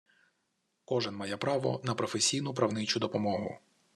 Кожен має право на професійну правничу допомогу